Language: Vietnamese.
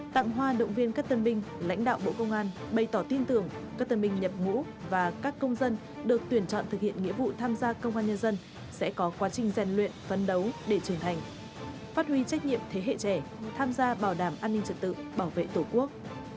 tặng hoa động viên các tân binh lãnh đạo bộ công an bày tỏ tin tưởng các tân binh nhập ngũ và các công dân được tuyển chọn thực hiện nghĩa vụ tham gia công an nhân dân sẽ có quá trình rèn luyện phấn đấu để trưởng thành phát huy trách nhiệm thế hệ trẻ tham gia bảo đảm an ninh trật tự bảo vệ tổ quốc